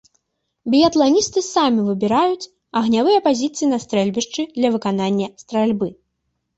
Біятланісты самі выбіраюць агнявыя пазіцыі на стрэльбішчы для выканання стральбы.